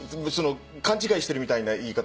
勘違いしてるみたいな言い方